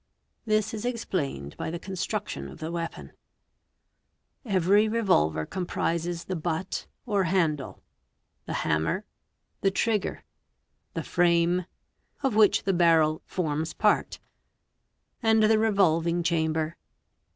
This is explained by the construction of the weapon. Bea livery revolver comprises the butt or handle, g; the hammer, h; the trigger, d; the frame, gw, of which the barrel / forms part; and the evolving chamber, ¢, (Fig.